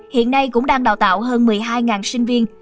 hiện nay cũng đang đào tạo hơn một mươi hai sinh viên